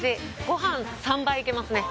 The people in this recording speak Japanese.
ご飯３杯いけますね。